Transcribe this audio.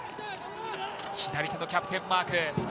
左手のキャプテンマーク。